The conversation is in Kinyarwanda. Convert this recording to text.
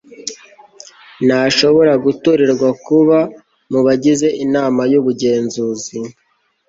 ntashobora gutorerwa kuba mu bagize inama y'ubugenzuzi